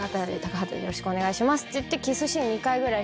よろしくお願いしますって言って。